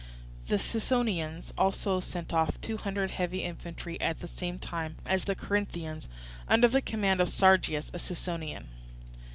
The Sicyonians also sent off two hundred heavy infantry at same time as the Corinthians, under the command of Sargeus, a Sicyonian.